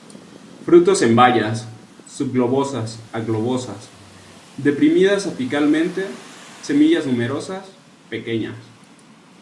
Frutos en bayas, subglobosas a globosas, deprimidas apicalmente; semillas numerosas, pequeñas.